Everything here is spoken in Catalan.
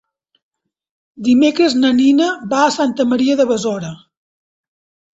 Dimecres na Nina va a Santa Maria de Besora.